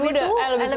gimana ya banyak